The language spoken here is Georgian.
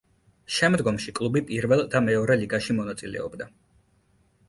შემდგომში კლუბი პირველ და მეორე ლიგაში მონაწილეობდა.